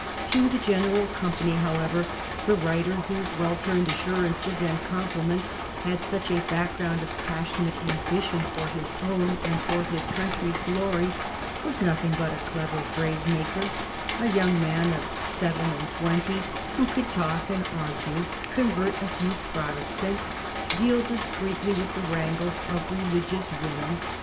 To the general company, however, the writer whose well turned assurances and compliments had such a background of passionate ambition for his own and for his country's glory, was nothing but a clever phrase maker, a young man of seven and twenty who could talk and argue, convert a few Protestants, deal discreetly with the wrangles of religious women.